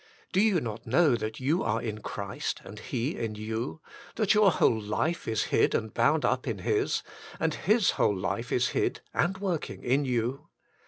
Do you not know that you are in Christ and He in you ? That your whole life is hid and bound up in His? and His whole life is hid and working in you